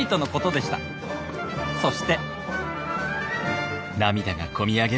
そして」。